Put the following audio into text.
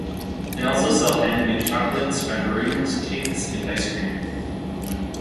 They also sell handmade chocolates, macaroons, cakes, and ice cream.